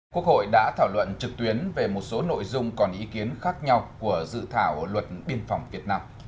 quốc hội đã thảo luận trực tuyến về một số nội dung còn ý kiến khác nhau của dự thảo luật biên phòng việt nam